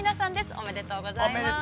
おめでとうございます。